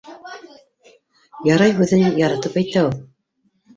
«Ярай» һүҙен яратып әйтә ул.